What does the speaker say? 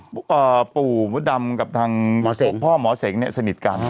เพราะว่าปู่มดดำกับทางพ่อหมอเส็งเนี่ยสนิทกัน